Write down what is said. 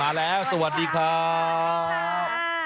เอาล่ะมาแล้วสวัสดีครับ